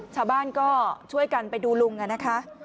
ชาวบ้านก็ช่วยกันไปดูลุงนะคะ